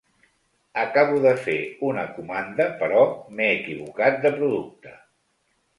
Acabo de fer una comanda però m'he equivocat de producte.